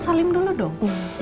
salim dulu dong